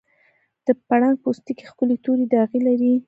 د پړانګ پوستکی ښکلي تورې داغې لري.